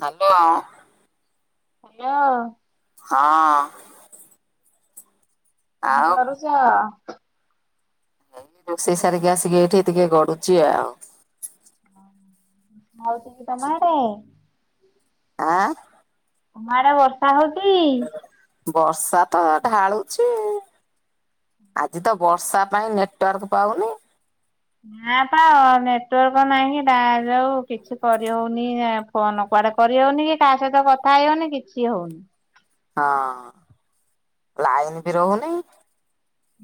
Hello. ହଁ। ହଁ। କଣ ଆଉ କରୁଛ? ରୋଷେଇ ସାରିକି ଆସିକି ଏଇଠି ଟିକେ ଗଡୁଛି ଆଉ। ହଁ ହଉଛି କି ତମ ଆଡେ? ଆଁ। ତମ ଆଡେ ବର୍ଷା ହଉଛି? ବର୍ଷା ତ ଢାଳୁଛି ଆଜି ତ ବର୍ଷା ପାଇଁ ନେଟୱାର୍କ ପାଉନି। ନା ପା ନେଟୱାର୍କ ନାହିଁ ତା ଯୋଗୁ କିଛି କରିହଉନି ଆ ଫୋନ୍ କୁଆଡେ କରିହଉନି କି କାହା ସହିତ କଥା ହେଇ ହଉନି କିଛି ହଉନି। ହଁ ଲାଇନ ବି ରହୁନି?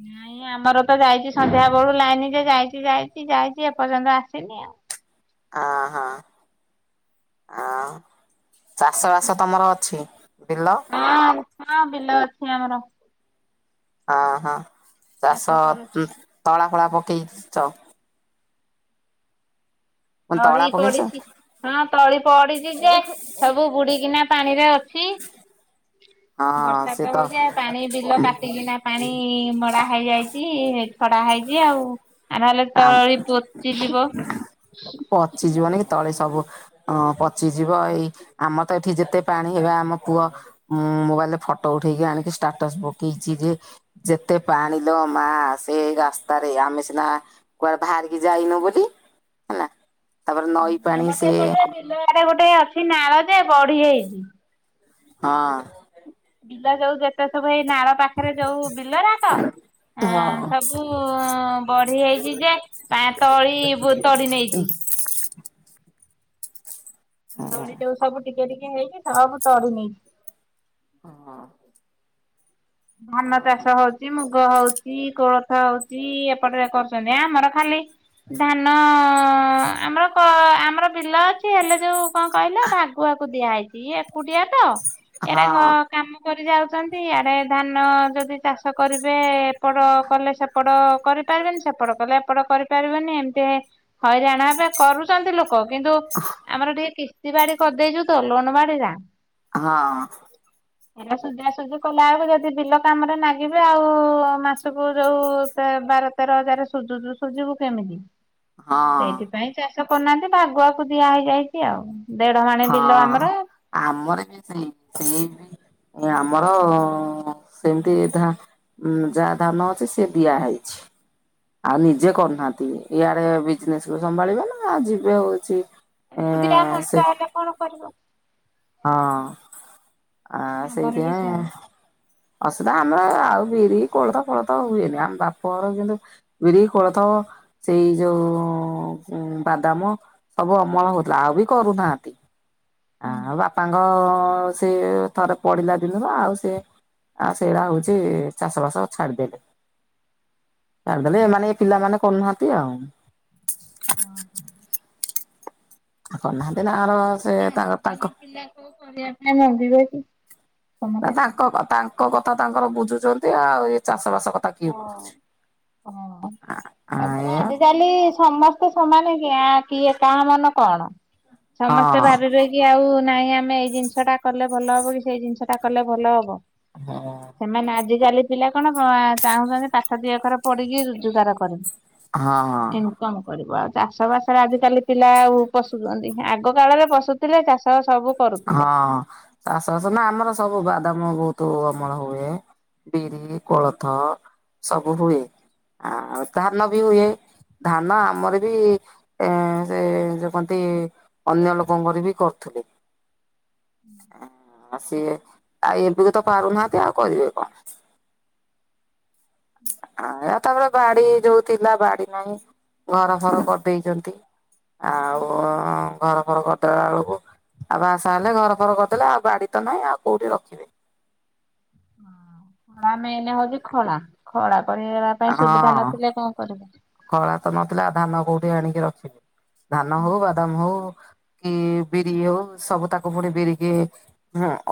ନାଇଁ ଆମର ତ ଯାଇଛି ସନ୍ଧ୍ୟା ବେଳୁ ଲାଇନ ଯେ ଯାଇଛି ଯାଇଛି ଯାଇଛି ଏପର୍ଯ୍ୟନ୍ତ ଆସିନି ଆଉ। ହଁ ହଁ। ଆଁ ଚାଷ ବାସ ତମର ଅଛି ବିଲ? ହଁ ହଁ ବିଲ ଅଛି ଆମର। ହଁ ହଁ ଚାଷ ତଳା ଫଳା ପକେଇଛ? ତଳା ଝଡି ପକେଇଛ ପଡିିଛି ହଁ ତଳି ପଡିଛି ଯେ ସବୁ ବୁଡିିକିନା ପାଣିରେ ଅଛି। ହଁ ବର୍ଷା ସେ ତ ହଉଛି ପାଣି ବିଲ କାଟିକିନା ପାଣି ମଡ଼ା ଘାଇଯାଇଛି ଛଡା ହେଇଛି ଆଉ ନହେଲେ ଆମ ତଳି ପଚିଯିବ। ପଚି ଯିବନି କି ତଳି ସବୁ ହଁ ପଚିଯିବ ଏଇ ଆମର ତ ଏଠି ଯେତେ ପାଣି ହେବା ଆମ କୂଅ ମୋବାଇଲରେ ଫଟୋ ଉଠେଇକି ଆଣିକି ଷ୍ଟାଟସ ପକେଇଛି ଯେ ଯେତେ ପାଣି ଲ ମା ସେ ରାସ୍ତାରେ ଆମେ ସିନା କୁଆଡେ ବାହାରିକି ଯାଇନୁ ବୋଲି ହେଲା ତାପରେ ନଈ ପାଣି ସିଏ ଇଆଡେ ଗୋଟେ ଅଛି ନାଳ ଯେ ବଢିଯାଇଛି। ହଁ। ବିଲ ଯୋଉ ଯେତେ ସବୁ ଏଇ ନାଳ ପାଖରେ ଯୋଉ ବିଲରାକ ଆ ହଁ ସବୁ ବଢି ହେଇଛି ଯେ ତଳି ତଡି ନେଇଛି। ତଳି ଯୋଉ ସବୁ ଟିକେ ଟିକେ ହେଇକି ସବୁ ତଡି ନେଇଛି। ହଁ। ଧାନ ଚାଷ ହଉଛି ମୁଁ ଗ ହଉଛି କୋଳଥ ହଉଛି ଏପଟେ କରୁଛନ୍ତି ଆମର ଖାଲି ଧାନ ଆମର କ ଆମର ବିଲ ଅଛି ହେଲେ ଯୋଉ କଣ କହିଲ ଭାଗୁଆକୁ ଦିଆହେଇଛି ଇଏ ଏକୁଟିଆ ତ ଏରା ହଁ କ କାମ କରି ଯାଉଛନ୍ତି ଆଡେ ଧାନ ଯଦି ଚାଷ କରିବେ ଏପଟ କଲେ ସେପଟ କରିପାରିବେନି ସେପଟ କଲେ ଏପଟ କରିପାରିବେନି ଏମିତି ହେ ହଇରାଣ ହେବେ କରୁଛନ୍ତି ଲୋକ କିନ୍ତୁ ଆମର ଟିକେ କି ସ୍ତୀ ବାଡି କରିଦେଇଛୁ ତ ଲୋନ୍ ବାଡି ରା। ହଁ। ହେରା ସୁଝା ସୁଝି କଲାବେଳକୁ ଯ ସେ ବିଲ କାମରେ ନାଗିବେ ଆଉ, ମାସକୁ ଯଉ ବାର ତେର ହଜାର ସୁଝୁଛୁ। ସୁଜିବୁ କେମିତି? ହଁ ସେଇଥିପାଇଁ ଚାଷ କରୁନାହାନ୍ତି, ଭାଗୁଆକୁ ଦିଆ ହେଇଯାଇଛି ଆଉ ଦେଢ ମାଣ ବିଲ ହଁ ଆମର। ଆମର ବି ସେଇ, ସେଇ ବି ଆମର ସେମିତି ଧ ଉ ଯା ଧାନ ଅଛି ସେ ଦିଆ ହେଇଛି। ଆଉ ନିଜେ କରୁନାହାନ୍ତି, ଇଆଡେ ବିଜନେସ କୁ ସମ୍ଭାଳିବେ ନା ଯିବେ ହଉଛି। ଏ ଏକୁଟିଆ ସେ ମଣିଷ ହେଲେ କଣ କରିବ? ହଁ ଆ ଆମର ବି ସେୟା। ହୁଁ ସେଇଥିପାଇଁ ଅସିଧା ଆମର ଆଉ ବିରି, କୋଳଥ ଫୋଳଥ ହୁଏନି, ଆମ ବାପର କିନ୍ତୁ ବିରି, କୋଳଥ, ସେଇ ଯୋଉ ବାଦାମ ସବୁ ଅମଳ ହଉଥିଲା, ଆଉ ବି କରୁନାହାନ୍ତି ଆ ହୁଁ। ବା ତାଙ୍କ ସେ ଥରେ ପଡିଲା ଦିନରୁ ଆଉ ସେ ଆଉ ସେଇଟା ହଉଛି ଚାଷ ବାସ ଛାଡିଦେଲେ। କରିଦେଲେ, ଏମାନେ ଏ ପିଲାମାନେ କରୁନାହାନ୍ତି ଆଉ [unintelligible] ଆ କରୁନାହାନ୍ତି ତାଙ୍କର ଆଜିକାଲି ପିଲା କୋଉ କରିବା ପାଇଁ ରାଜି ହଉଛି। ନା ତାଙ୍କ ତାଙ୍କ କଥା ତାଙ୍କର ବୁଝୁଛନ୍ତି ଆଉ ଏ ଚାଷ ବାସ କଥା ତାକୁ ହଁ। କିଏ ବୁଝୁଛି? ଆ ଏୟା। ହେଲେ ସମସ୍ତେ ସମାନ କି ଆଁ କିଏ କାହା ମନ କଣ ସମସ୍ତେ ହଁ ଭାବିବେ କି ଆଉ ନାହିଁ ଆମେ ଏଇ ଜିନିଷ ଟା କଲେ ଭଲ ହବ କି, ସେଇ ଜିନିଷ ଟା କଲେ ଭଲ ହବ? ହଁ ଅଁ ସେମାନେ ଆଜିକାଲି ପିଲା କଣ ଚାହୁଁଛନ୍ତି ପାଠ ଦି ଅକ୍ଷର ପଢ଼ିକି ରୋଜଗାର କର ହଁ, ହଁ। କଣ କରିବ ଆଉ ଚାଷ ବାସରେ ଆଜିକାଲି ପିଲା ଆଉ ପଶୁଛନ୍ତି, ଆଗ କାଳରେ ପଶୁଥିଲେ ଚାଷ ସବୁ କରୁଥିଲେ। ହଁ ଚାଷବାସ ନା ଆମର ସବୁ ବାଦାମ ବହୁତୁ ଅମଳ ହୁଏ। ବିରି, କୋଳଥ ସବୁ ହୁଏ ଆଉ ଧାନ ବି ହୁଏ। ଧାନ ଆମର ବି ଏ ସେ ଯଉ କନ୍ତି ଅନ୍ୟ ଲୋକଙ୍କର ବି କରୁଥିଲେ। ସିଏ ଆଉ ଏବେ କୁ ତ ପାରୁନାହାନ୍ତି ଆଉ କରିବେ କଣ? ଆ ତାପରେ ବାଡି ଯୋଉ ଥିଲା, ବାଡି ନାହିଁ, ଘର ଫର କରିଦେଇଛନ୍ତି। ଆଉ ଘର ଫର କରିଦେଲା ବେଳକୁ, ଆଉ ବାହା ସାହା ହେଲେ ଘର ଫର କରିଦେଲେ ଆଉ ବାଡି ତ ନାହିଁ ଆଉ କୋଉଠି ରଖିବେ। ଖ ମେନ୍ ହଉଛି ଖଳା, ଖଳା କରିବା ପାଇଁ ସୁବିଧା ହଁ। ନଥିଲେ କଣ କରିବୁ? ଖଳା ତ ନଥିଲା ଧାନ କୋଉଠି ଆଣିକି ରଖିବେ, ଧାନ ହଉ ବାଦାମ ହଉ କି ବିରି ହଉ ସବୁ ତାକୁ ପୁଣି ବିରିକି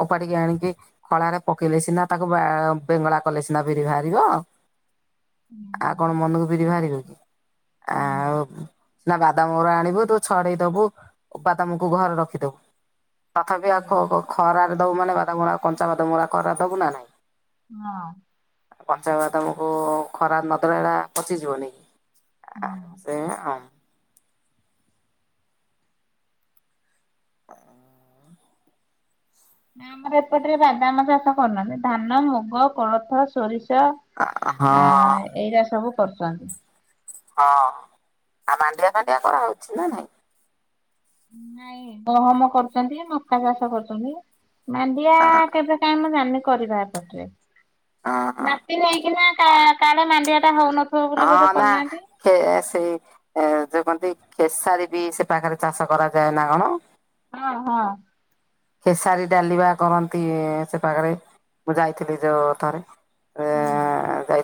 ଓପାଡିକି ଆଣିକି ଖଳାରେ ପକେଇଲେ ସିନା, ତାକୁ ବେଙ୍ଗଳା କଲେ ସିନା ବିରି ବାହାରିବ। [unintelligible] ଆଉ କଣ ମନକୁ ବିିରି ବାହାରିବ କି? ଆଉ ସିନା ବାଦାମଗୁରା ଆଣିବୁ ତୁ ଛଡେଇ ଦବୁ ବାଦାମକୁ ଘରେ ରଖିଦବୁ। ତଥାପି ଆଉ ଖ-ଖ-ଖରାରେ ଦବୁ ମାନେ, ବାଦମଗୁରା କଞ୍ଚା ବାଦମଳା ଖରା ଦବୁ ନା ନାଇଁ? ହଁ ଅଁ ଆଉ କଞ୍ଚା ବାଦାମକୁ ଖରାରେ ନ ଦେଲେ ହେରା ପଚିଯିବନି କି? ଆ ସେୟା ଆଉ ନା ଆମର ଏପଟରେ ବାଦାମ ଚାଷ କରୁନାହାନ୍ତି। ଧାନ, ମୁଗ, କୋଳଥ, ସୋରିଷ ହଁ ଆ ଏଇରା ସବୁ କରୁଛନ୍ତି। ହଁ ଆଉ ମାଣ୍ଡିଆ ଫାଣ୍ଡିଆ କରାହଉଛି ନା ନାଇଁ? ନାଇଁ ଗହମ କରୁଛନ୍ତି, ମକା ଚାଷ କରୁଛନ୍ତି। ମାଣ୍ଡିଆ କେବେ କାଇଁ ମୁଁ ଜାଣିନି, କରିବା ଏପଟରେ। ହଁ ହଁ ମାଟି ନେଇକିନା କା କାଳେ ମାଣ୍ଡିଆଟା ହଉନ ଆମ ସେ ସେଇ ଏ ଯୋଉ କଅନ୍ତି, ଖେସାରୀ ବି ସେ ପାଖରେ ଚାଷ କରାଯାଏ ନା କଣ? ହଁ- ହଁ। ଖେସାରୀ ଡାଲି ବା କରନ୍ତି ସେ ପାଖେରେ, ମୁଁ ଯାଇଥିଲି ଯୋଉ ଥରେ। ହୁଁ।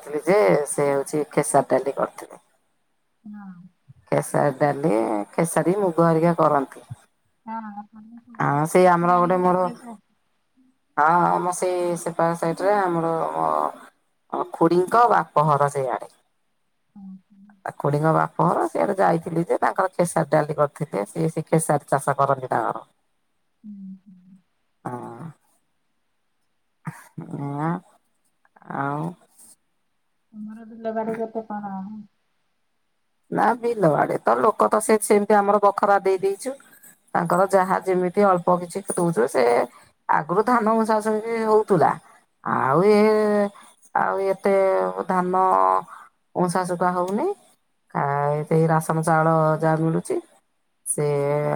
ଥିଲି ଯେ ସେ ହଉଛି ଖେସାରି ଡାଲି କରିଥିଲେ। ହଁ। ଖେସାରୀ ଡାଲି, ଖେସାରୀ, ମୁଗ ହେରିକା କରନ୍ତି। ହଁ। ଆଉ ସେଇ ଆମର ଗୋଟେ ମୋର ହଁ-ହଁ ଆମ ସେଇ ସେପାଖ ସାଇଟରେ ଆମର ଆମ ଖୁଡିଙ୍କ ବାପଘର ସେଇଆଡେ। ହୁଁ - ହୁଁ। ତା ଖୁଡିଙ୍କ ବାପ ଘର ସିଆଡେ ଯାଇଥିଲୁ ଯେ, ତାଙ୍କର ଖେସାରୀ ଡାଲି କରିଥିଲେ। ସିଏ ସେ ଖେସାରୀ ଚାଷ କରନ୍ତି ତାଙ୍କର। ହୁଁ- ହୁଁ। ହଁ। ହଁ - ଆଁ। ତମର ବିଲବାଡି କେତେ କଣ? ନା ବିଲ ବାଡ଼ି ତ, ଲୋକ ତ ସେ ସେମିତି ଆମର ବଖରା ଦେଇ ଦେଇଛୁ। ତାଙ୍କର ଯାହା ଯେମିତି ଅଳ୍ପ କିଛି ଦଉଛୁ ସେ ଆଗରୁ ଧାନ ଉଁସା ଉଁସି ହଉଥିଲା। ଆଉ ଏ, ଆଉ ଏତେ ଧାନ ତମ ଶାଶୂ କଣ କହୁଥିଲେ? ଆ ଏଇତ ରାସନ ଚାଉଳ ଯାହା ମିଳୁଛି, ସେ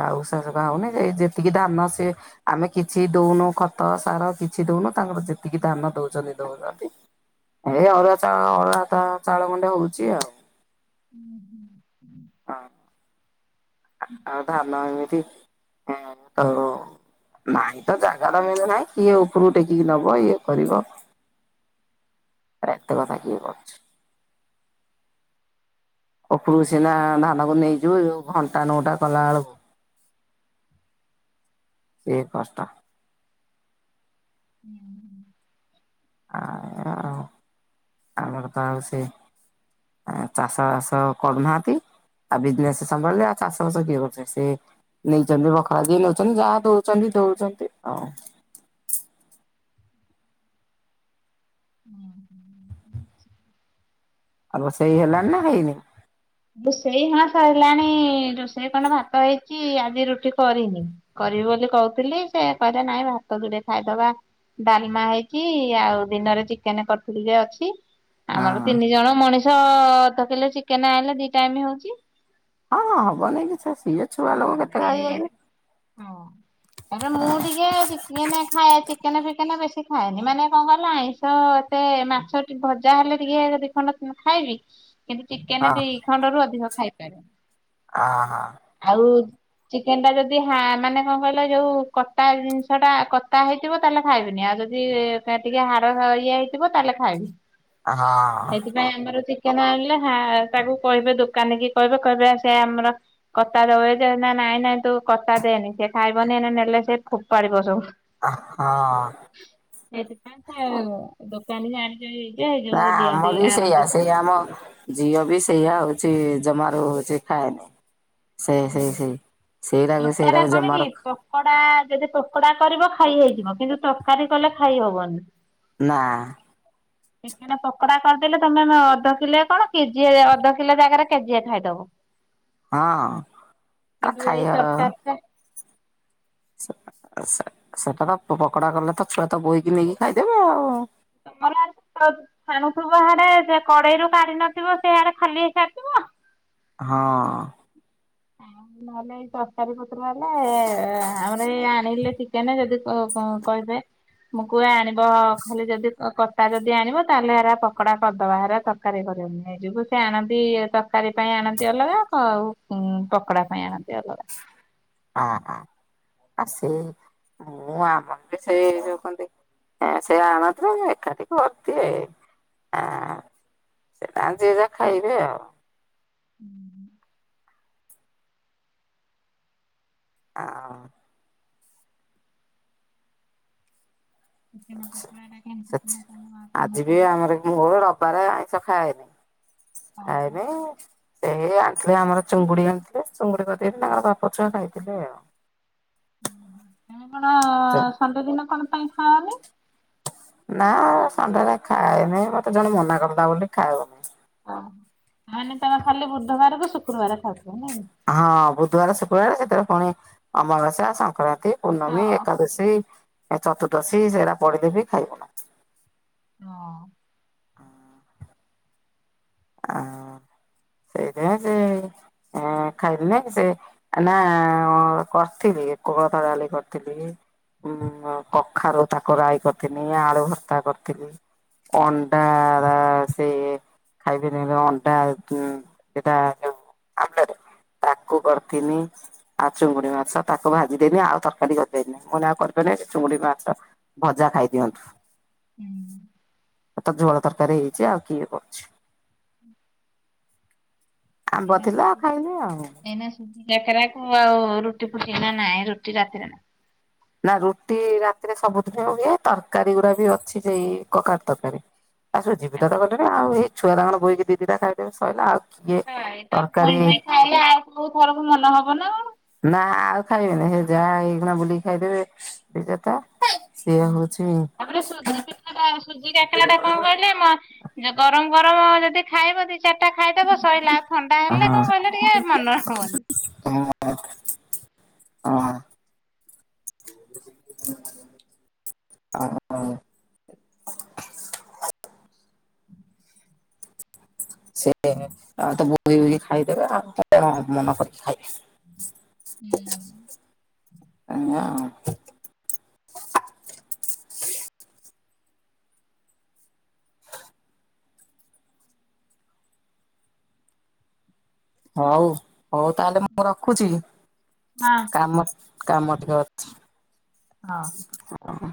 ଆଉ [unintelligible] ଯେତିକି ଧାନ ସିଏ ଆମେ କିଛି ଦଉନୁ ଖତ, ସାର କିଛି ଦଉନୁ। ତାଙ୍କର ଯେତିକି ଧାନ ଦଉଛନ୍ତି, ଦଉଛନ୍ତି। ଏଇ ଅରୁୁଆ ଚାଉଳ, ଅରୁୁଆ ଭାତ ଚାଉଳ ଗଣ୍ଡେ ମିଳୁଛି ଆଉ। ହୁଁ-ହୁଁ। ହଁ ଆଉ ଧାନ ଏମିତି, [unintelligible] ନାଇଁ ତ ଜାଗା ତ ମେନ୍ ନାଇଁ, କିଏ ଉପରକୁ ଟେକିକି ନବ ଇଏ କରିବ। ଏତେ କଥା କିଏ କରୁଛି? ଉପୁରୁକୁ ସିନା ଧାନକୁ ନେଇଯିବୁ, ଯୋଉ ଘଣ୍ଟା ନଉଟା କଲା ବେଳକୁ ସିଏ କଷ୍ଟ। ହୁଁ। ଆଉ ଏଇଆ ଆଉ, ଆମର ତ ଆଉ ସେ ଆଉ ଚାଷ ବାସ କରୁନାହାନ୍ତି? ଆଉ ବିଜନେସ ସମ୍ଭାଳିଲେ, ଆଉ ଚାଷବାସ କିଏ କରୁଚି। ସେ ନେଇଛନ୍ତି ବଖଳା ଯିଏ ନଉଛନ୍ତି, ଯାହା ଦଉଛନ୍ତି ଦଉଛନ୍ତି ଆଉ। ଉଁ- ହୁଁ। ଆଉ ରୋଷଇ ହେଲାଣି ନା ହେଇନି? ରୋଷେଇ ହଁ ସଇଲାଣି। ରୋଷେଇ କଣ ଭାତ ହେଇଛି, ଆଜି ରୁଟି କରିନି। କରିବି ବୋଲି କହୁଥିଲି, ସେ କହିଲେ ନାଇଁ ଭାତ ଯୋଡିଏ ଖାଇଦବା। ଡାଲମା ହେଇକି, ଆଉ ଦିନରେ ଚିକେନ କରିଥିଲି ଟିକେ ଅଛି। ଆମର ହଁ ତିନି ଜଣ ମଣିଷ, ଅଧ କିଲେ ଚିକେନ ଆଣିଲେ ଦି ଟାଇମ ହଉଛି। ହଁ- ହଁ ହବନି କି, ସେ ସିଏ ଛୁଆ ହଁ ଲୋକ କେତେ ଖାଇବ ଯେ? ହଁ। ଏବେ ମୁଁ ଟିକେ ଚି କେନ୍ ଖାଏ ଚିକେନ ଫିକେନ ବେଶି ଖାଏନି, ମାନେ କଣ କଇଲ ଆଇଁଷ ଏତେ ମାଛ ଛୁଇଁ ଭଜା ହେଲେ ଟିକେ ଦିଖଣ୍ଡ ଉଁ ଖାଇବି କିନ୍ତୁ, ଚିକେନ ହଁ ଦି ଖଣ୍ଡରୁ ଅଧିକ ଖାଇପାରେନି। ଆ ହାଁ। ଆଉ, ଚିକେନଟା ଯଦି ହା ମାନେ କଣ କହିଲ, ଯୋଉ କଟା ଜିନିଷଟା କତା ହେଇ ଥିବ ତାହେଲେ ଖାଇବିନି, ଆଉ ଯଦି ତାର ଟିକେ ହାଡ଼ ଇଏ ହେଇଥିବ ତାହେଲେ ଖାଇବି। ହଁ। ନାଇଁ ଆମର ଚିକେନା ଆଣିଲେ ହା ତାକୁ କହିବେ ଦୋକାନି କି କହିବେ କହିବେ ସେ ଆମର କତା ଦବୁ ଯଦି ଦେ ନା ନାଇଁ-ନାଇଁ ତୁ କତା ଦେନି ସିଏ ଖାଇବନି ଏଇନେ ନେଲେ ସିଏ ଫୋପାଡିବ ସବୁ। ଅ ହଁ। ସେଇଥିପାଇଁ ସେ ଦୋକାନୀ ଜାଣିଛି ନା ଆମର ବି ସେଇଆ ସେଇ ଆମ ଝିଅ ବି ସେଇୟା ହଉଛି, ଜମାରୁ ହଉଛି ଖାଏନି। ସେଇ-ସେଇ-ସେଇ, ସେଇଟାକୁ-ସେଇଟାକୁ ଜମା ରଖ୍ ପକୋଡା ଯଦି ପୋକୋଡା କରିବ ଖାଇ ହେଇଯିବ, କିନ୍ତୁ ତକାରୀ କଲେ ଖାଇହବନି। ନା। ଚିକେନ ପକୋଡା କରିଦେଲେ, ତମେ ମ ଅଧ କିଲେ କଣ କେଜିଏ [unintelligible] ଅଧ କିଲେ ଜାଗାରେ କେଜିଏ ଖାଇଦବ। ହଁ ଆଉ, କିନ୍ତୁ ଖାଇଆ [unintelligible] [unintelligible] ସେଟା ଅ ସେ ସେଟା ତ ପକୋଡା କଲେ, ତ ଛୁଆ ତ ବୋହିକି ନେଇକି ଖାଇଦେବେ ଆଉ। ଗଲାବେଳକୁ ଛାଣ ଛାଣୁଥିବ ହାଡେ ସେ କଡେଇରୁ କାଢି ନଥିବ, ସେଆଡେ ଖାଲି ହେଇସାରିଥିବ। ହଁ। ଆଉ ନହେଲେ ସେଇ ତକାରୀ ପତ୍ର ହେଲା [unintelligible] ଆମର ଏଇ ଆଣିଲେ ଚିକେନ ଯଦି କ କଁ କଇବେ ମୁଁ କୁଏ ଆଣିବ ଖାଲି ଯଦି କତା ଯଦି ଆଣିବ ତାହେଲେ ହେରା ପକୋଡା କରିଦବା ହେରା ତରକାରୀ କରିହବନି ହେଇ ଯୋଗୁ ସିଏ ଆଣନ୍ତି ତ କାରୀ ପାଇଁ ଆଣନ୍ତି ଅଲଗା ଆଉ ଉଁ ପକୋଡା ପାଇଁ ଆଣନ୍ତି ଅଲଗା। ହଁ ହଁ ଆ ସେଇ ମୁଁ ଆମର ବି ସେଇ ଯୋଉ କହନ୍ତି ଏ ସିଏ ଆଣନ୍ତି ତ ଏକାଠି କରଦିଏ ଆଁ ହଁ ଯିଏ ଯାହା ଖାଇବେ ଆଉ। ହୁଁ ହୁଁ। ଆ ଉ ଚିକେନ୍ ପକୋଡ଼ା [unintelligible] କଣ? ମୁଁ ରବାରେ ଆଇଁଷ ଖାଏନି ଖାଏନି ସେଇ ଆଣିଥିଲେ ଆମର ଚୁଙ୍ଗୁଡି ଆଣିଥିଲେ, ଚୁଙ୍ଗୁଡି କରିଦେଲେ ତାଙ୍କର ବାପ ଛୁଆ ଖାଇଥିଲେ ଆଉ। ହୁଁ ହୁଁ ତମେ କଣ, ସଣ୍ଡେ ଦିନ କଣ ପାଇଁ ଖାଅନି? ନା ଏ ସଣ୍ଡେ ଯେ ଖାଏନି, ମତେ ଜଣେ ମନା କରିଦେଲା ବୋଲି ଖାଉନି। ଓହୋ! ମାନେ ତମେ ଖାଲି ବୁଧବାର କୁ ଶୁକ୍ରବାର ଖାଉଥିବ ନାଇଁ? ହଁ, ବୁଧବାର, ଶୁକ୍ରବାର ସେଥିରେ ପୁଣି ଅମାବାସ୍ୟା, ସଂକ୍ରାନ୍ତି ପୂର୍ଣ୍ଣମୀ, ଏକାଦଶୀ, ଚତୁର୍ଦଶୀ, ସେଇଟା ପଡିଲେ ବି ଖାଇବୁନୁ। ହଁ। ଆଉ ସେଇଥିପାଇଁ ସେ ଏ ଖାଇଦେଲେ ସେ ନା ଅ କରିଥିଲି, ଏ କୋଳଥ ଡାଲି କରିଥିଲି। ଉଁ କଖାରୁ ତାକୁ ରାଇ କରିଥିନି, ଆଳୁ ଭର୍ତା କରିଥିଲି ଅଣ୍ଡାର ସେ ଖାଇଥିନି ଏବେ ଅଣ୍ଡା ଉଁ ସେଟା ଯୋଉ ଆମ୍ଲେଟ ତାକୁ କରିଥିନି ଆଉ ଚୁଙ୍ଗୁଡି ମାଛ ତାକୁ ଭାଜିଦେନି ଆଉ ତରକାରୀ କରିପାଇଲି ନାଇଁ ମୁଁ କହିଲି ମୁଁ ଆଉ କରିପାରିବି ନାଇଁ ସେ ଚୁଙ୍ଗୁଡି ମାଛ ଭଜା ଖାଇଦିଅନ୍ତୁ। ହୁଁ। ଝୋଳ ତରକାରୀ ହେଇଛି ଆଉ କିଏ କରୁଛି? ଆମ୍ବ ଥିଲା ଆଉ ଖାଇଲି ଆଉ। ଏଇନେ ସୁଜି କାକରା କୁ ଆଉ ରୁଟି ଫୁଟି ନାହିଁ ରୁଟି ରାତିରେ ନାଇ। ନା ରୁଟି ରାତିରେ ସବୁଦିନେ ହୁଏ ତରକାରୀ ଗୁଡା ବି ଅଛି ଏଇ କଖାରୁ ତରକାରୀ। ଆ ସୁଜି ପିଠା ତ କରିଥିଲି ଆଉ ଏଇ ଛୁଆ ତାଙ୍କର ବୋହିକି ଦିଦିଟା ଖାଇଦେବେ ସରିଲା ଆଉ କିଏ ତରକାରୀ [unintelligible] କୋଉଥରକୁ ମନ ହବ ନା କଣ? ନା ଆଉ ଖାଇବେନି ସେ ଯାହା ହେଇକିନା ବୁଲିକି ଖାଇଦେବେ ଦି ଚାରିଟା। ସିଏ ହଉଛି ତାପରେ ସୁଜି ପିଠା ଟା ସୁଜି କାକରାଟା କଣ କହିଲେ ମନ ଯୋଉ ଗରମ ଗରମ ଯଦି ଖାଇବ ଥି ଦି ଚାରିଟା ଖାଇଦେବ ସରିଲା ଥଣ୍ଡା ହେଲେ କଣ କହିଲେ ଟିକେ ମନ ହବନି। ହଁ। ଅ ହ। ସେ ତ ବୋହି ବୋହି ଖାଇଦେବେ ଆଉ ମନ କରିକି ଖାଇବେ। ହୁଁ ଏୟା ଆଉ। ହଉ ହଉ ତାହେଲେ ମୁଁ ରଖୁଛି। ହଁ। କାମ କାମ ଟିକେ ଅଛି। ହଁ। ହଁ।